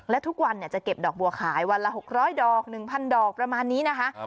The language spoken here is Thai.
และทุกวันจะเก็บดอกบัวขายวันละ๖๐๐ดอก๑๐๐ดอกประมาณนี้นะคะ